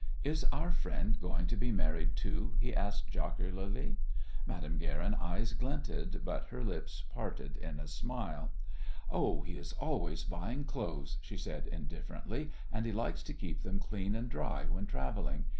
"Is our friend going to be married too?" he asked jocularly. Madame Guerin's eyes glinted, but her lips parted in a smile. "Oh, he is always buying clothes," she said indifferently, "and he likes to keep them clean and dry when travelling.